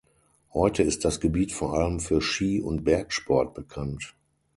Heute ist das Gebiet vor allem für Ski- und Bergsport bekannt.